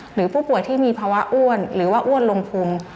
หรือผู้ป่วยที่มีภาวะอ้วนหรือว่าอ้วนลงพุง